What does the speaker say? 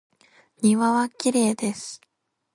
庭はきれいです。